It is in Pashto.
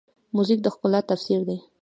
موزیک د ښکلا تفسیر دی.